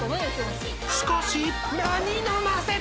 ［しかし］